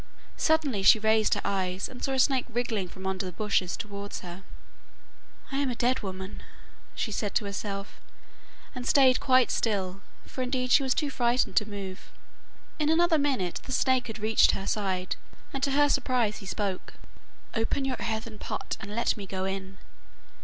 Suddenly she raised her eyes, and saw a snake wriggling from under the bushes towards her. 'I am a dead woman,' she said to herself, and stayed quite still, for indeed she was too frightened to move. In another minute the snake had reached her side, and to her surprise he spoke. 'Open your earthen pot, and let me go in.